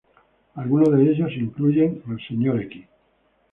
Algunos de ellos incluyen Mr.